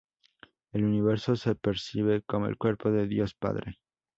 El universo se percibe como el cuerpo de Dios Padre.